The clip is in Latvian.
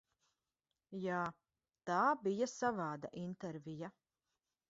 Jā, tā bija savāda intervija.